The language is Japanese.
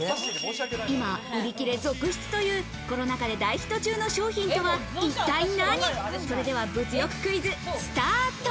今、売り切れ続出という、コロナ禍で大人気の商品とは一体何？